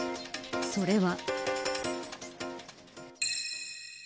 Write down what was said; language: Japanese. それは。